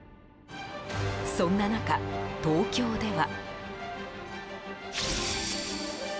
そんな中、東京では。